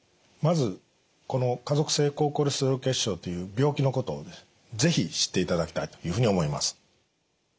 まずこの家族性高コレステロール血症という病気のことをね是非知っていただきたいというふうに思います。